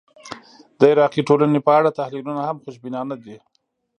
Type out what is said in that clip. د عراقي ټولنې په اړه تحلیلونه هم خوشبینانه دي.